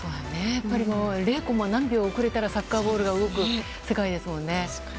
やっぱりコンマ何秒遅れたらサッカーゴールが動く世界ですもんね。